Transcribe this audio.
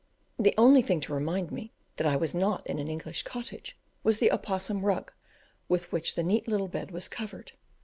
The only thing to remind me that I was not in an English cottage was the opossum rug with which the neat little bed was covered.